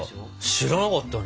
知らなかったね。